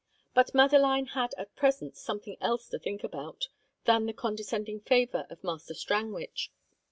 But Madeline had at present something else to think about than the condescending favour of Master Strangwich.